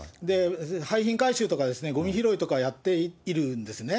廃品回収とか、ごみ拾いとかやっているんですね。